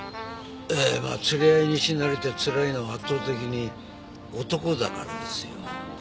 ええまあ連れ合いに死なれてつらいのは圧倒的に男だからですよ。